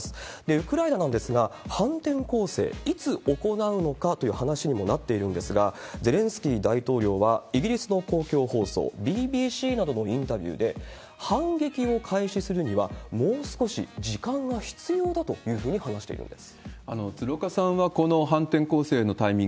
ウクライナなんですが、反転攻勢、いつ行うのかという話にもなっているんですが、ゼレンスキー大統領はイギリスの公共放送、ＢＢＣなどのインタビューで、反撃を開始するにはもう少し時間が必要だというふうに話しているんです。